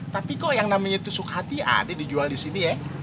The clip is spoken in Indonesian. tapi kok yang namanya tusuk hati ada dijual di sini ya